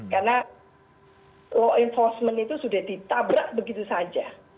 karena law enforcement itu sudah ditabrak begitu saja